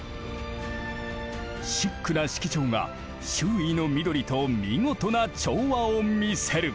シックな色調が周囲の緑と見事な調和を見せる。